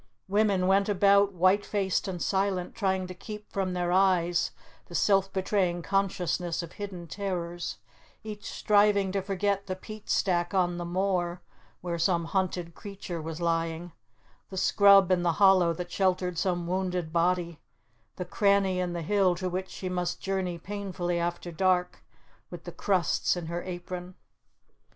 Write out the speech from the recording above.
Women went about, white faced and silent, trying to keep from their eyes the self betraying consciousness of hidden terrors; each striving to forget the peat stack on the moor where some hunted creature was lying, the scrub in the hollow that sheltered some wounded body, the cranny in the hill to which she must journey painfully after dark with the crusts in her apron.